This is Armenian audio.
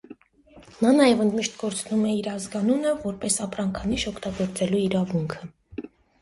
Նա նաև ընդմիշտ կորցնում է իր ազգանունը որպես ապրանքանիշ օգտագործելու իրավունքը։